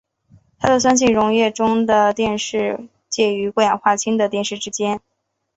它们在酸性溶液中的电势介于过氧化氢的电势之间。